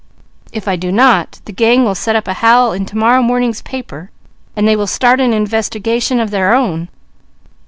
If I do not, the gang will set up a howl in to morrow morning's paper, and they will start an investigation of their own.